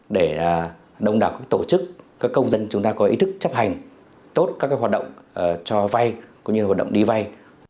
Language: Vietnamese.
để đông đảo các tổ chức các công dân chúng ta có ý thức chấp hành tốt các hoạt động cho vay cũng như hoạt động đi vay